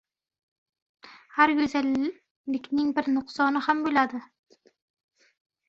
• Har go‘zallikning bir nuqsoni ham bo‘ladi.